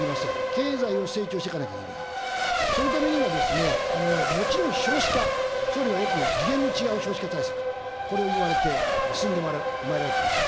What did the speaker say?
経済を成長していかなきゃならない、そのためにはもちろん少子化、総理はよく次元の違う少子化対策、これを言われて進んでまいられてました。